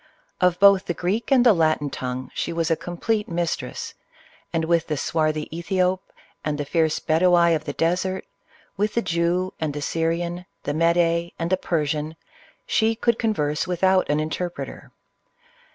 Of both the Greek and the Latin tongue she was a complete mistress, and with the swarthy Ethiop and the fierce Bedawi of the des ert, with the Jew, the Syrian, the Mede, and the Per sian, she could converse without an interpreter.